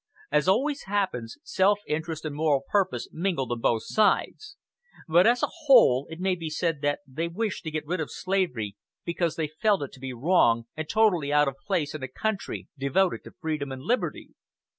As always happens, self interest and moral purpose mingled on both sides; but, as a whole, it may be said that they wished to get rid of slavery because they felt it to be wrong, and totally out of place in a country devoted to freedom and liberty.